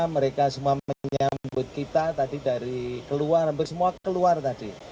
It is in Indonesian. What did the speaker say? mereka semua menyambut kita tadi dari keluar semua keluar tadi